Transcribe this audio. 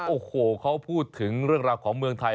โอ้โหเขาพูดถึงเรื่องราวของเมืองไทย